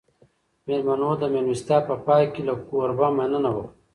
مېلمنو د مېلمستیا په پای کې له کوربه مننه وکړه.